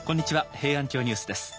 「平安京ニュース」です。